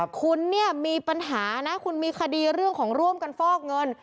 คุณเนี่ยมีปัญหานะคุณมีคดีเรื่องของร่วมกันฟอกเงิน